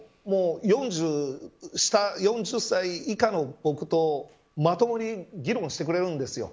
４０歳年下の僕とまともに議論してくれるんです。